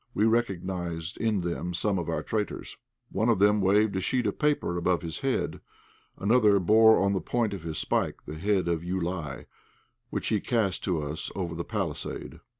We recognized in them some of our traitors. One of them waved a sheet of paper above his head; another bore on the point of his pike the head of Joulaï, which he cast to us over the palisade.